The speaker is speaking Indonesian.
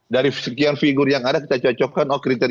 dari sekian figur yang ada kita cocokkan